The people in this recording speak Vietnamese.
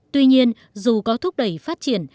tuy nhiên dù có thúc đẩy phát triển